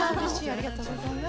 ありがとうございます。